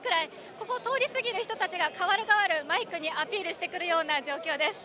ここを通り過ぎる人がかわるがわるマイクにアピールしてくるような状況です。